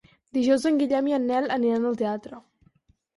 Dijous en Guillem i en Nel aniran al teatre.